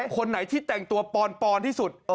คนไหนที่แต่งตัวปอนที่สุด